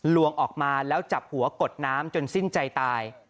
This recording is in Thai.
ลวงออกมาแล้วจับหัวกดน้ำจนสิ้นใจตาย